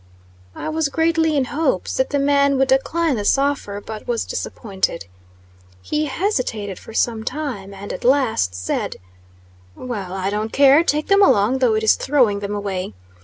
I was greatly in hopes that the man would decline this offer; but, was disappointed. He hesitated for some time, and, at last, said: "Well, I don't care, take them along; though it is throwing them away.